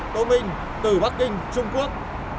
tô minh từ bắc kinh trung quốc